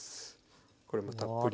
これもたっぷり。